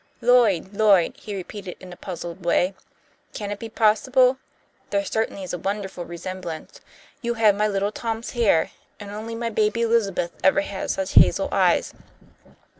"Lloyd, Lloyd!" he repeated, in a puzzled way. "Can it be possible? There certainly is a wonderful resemblance. You have my little Tom's hair, and only my baby Elizabeth ever had such hazel eyes."